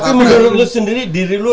tapi menurut lu sendiri diri lu